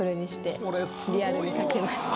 リアルに描きました。